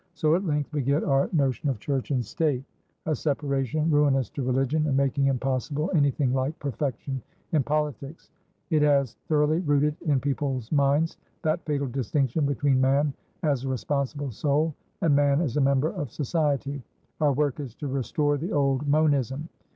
So, at length, we get our notion of Church and Statea separation ruinous to religion and making impossible anything like perfection in politics; it has thoroughly rooted in people's minds that fatal distinction between Man as a responsible soul and Man as a member of society. Our work is to restore the old monism.